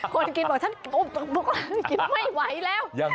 คนกินบอกว่า